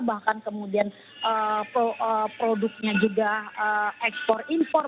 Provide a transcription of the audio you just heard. bahkan kemudian produknya juga ekspor impor